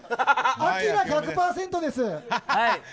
アキラ１００％です。